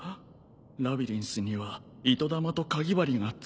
「ラビリンスには糸玉とかぎ針がつきもの」